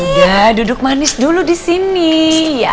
udah duduk manis dulu disini ya